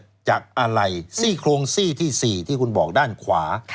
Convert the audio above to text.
จากอะไรซี่โครงซี่ที่๔ที่คุณบอกด้านขวา